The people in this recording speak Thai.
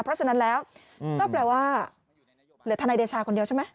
เพราะฉะนั้นแล้วก็แปลว่าเหลือทนายเดชาคนเดียวใช่ไหม